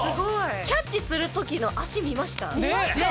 キャッチする時の見ました。